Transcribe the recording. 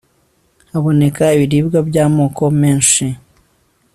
haboneka ibiribwa by'amoko menshi